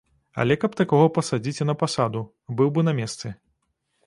Але каб такога пасадзіць і на пасаду, быў бы на месцы.